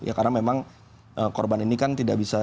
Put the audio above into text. ya karena memang korban ini kan tidak bisa